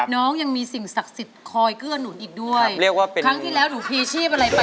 น้องยังมีสิ่งศักดิ์สิทธิ์คอยเกื้อหนุนอีกด้วยเรียกว่าเป็นครั้งที่แล้วหนูพีชีพอะไรไป